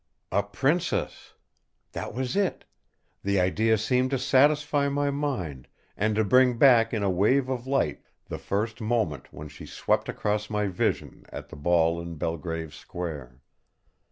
"A Princess!" That was it. The idea seemed to satisfy my mind, and to bring back in a wave of light the first moment when she swept across my vision at the ball in Belgrave Square.